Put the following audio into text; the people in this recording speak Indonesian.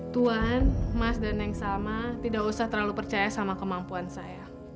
tuan mas dan neng sama tidak usah terlalu percaya sama kemampuan saya